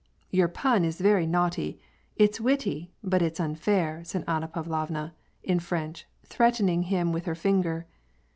"Your pun is very naughty ! it's witty, but it's unfair," said Anna Pavlovna, in French, threatening him with her finger.